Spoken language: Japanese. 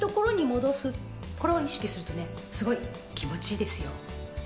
これを意識するとねすごい気持ちいいですよ。